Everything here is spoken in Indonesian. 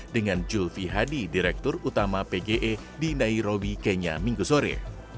dengan julvi hadi direktur utama pge di nairobi kenya minggu sore